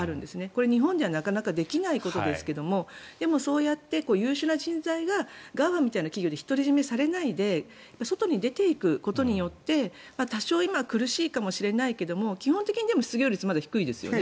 これ、日本ではなかなかできないことですけどもでもそうやって優秀な人材がＧＡＦＡみたいな企業で独り占めされないで外に出ていくことによって多少今は苦しいかもしれないけど基本的に失業率、まだ低いですよね。